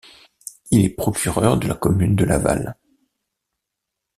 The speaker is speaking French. Il est procureur de la commune de Laval.